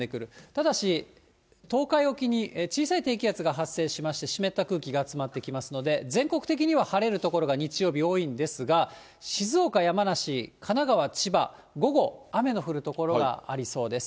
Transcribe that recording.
ただし、東海沖に小さい低気圧が発生しまして、湿った空気が集まってきますので、全国的には晴れる所が日曜日多いんですが、静岡、山梨、神奈川、千葉、午後、雨の降る所がありそうです。